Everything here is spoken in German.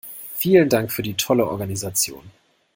Vielen Dank für die tolle Organisation.